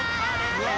うわ。